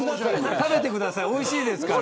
食べてくださいおいしいですから。